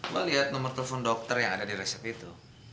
lo lihat nomor telepon dokter yang ada di resep itu